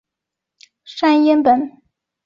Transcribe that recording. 山阴本线。